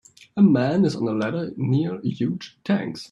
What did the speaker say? A man is on a ladder near huge tanks.